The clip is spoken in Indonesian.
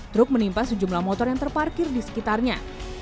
truk menimpa sejumlah motor yang terparkir di sekitarnya